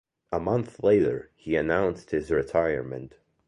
A month later, he announced his retirement.